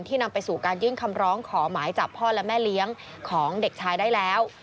นำไปสู่การยื่นคำร้องขอหมายจับพ่อและแม่เลี้ยงของเด็กชายได้แล้ว